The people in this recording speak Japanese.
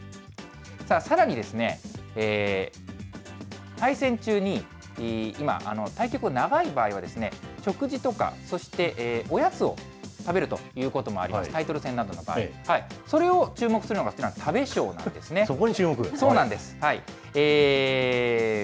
さらに、対戦中に今、対局、長い場合は、食事とか、そしておやつを食べるということもありまして、タイトル戦なんですが、それを注目するのがこちら、食べ将そこに注目。